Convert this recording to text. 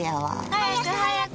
早く早く！